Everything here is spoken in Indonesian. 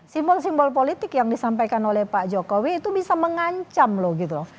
simbol simbol politik yang disampaikan oleh pak jokowi itu bisa mengancam loh gitu loh